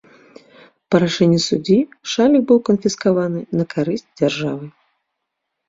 Па рашэнні суддзі шалік быў канфіскаваны на карысць дзяржавы.